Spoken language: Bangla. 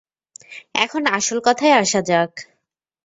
এখন আসল কথায় আসা যাক।